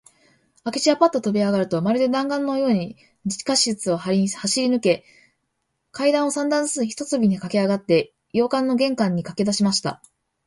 明智はパッととびあがると、まるで弾丸だんがんのように、地下室を走りぬけ、階段を三段ずつ一とびにかけあがって、洋館の玄関にかけだしました。